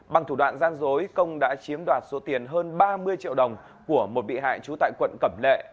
bằng thủ đoạn gian dối công đã chiếm đoạt số tiền hơn ba mươi triệu đồng của một bị hại trú tại quận cẩm lệ